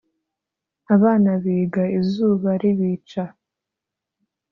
abana biga izuba ribica